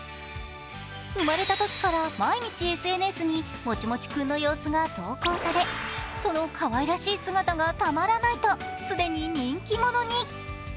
生まれたときから毎日ＳＮＳに、もちもち君の様子が投稿されそのかわいらしい姿がたまらないと既に人気者に。